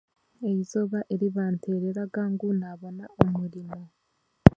Eizooba eri bantereraga ngu naabona omurimo.